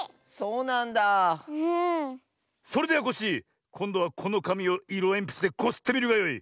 それではコッシーこんどはこのかみをいろえんぴつでこすってみるがよい。